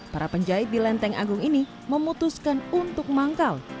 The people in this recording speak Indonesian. para penjahit di lenteng agung ini memutuskan untuk manggal